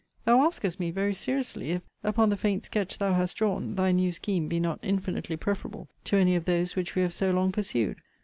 Thou askest me, very seriously, if, upon the faint sketch thou hast drawn, thy new scheme be not infinitely preferable to any of those which we have so long pursued?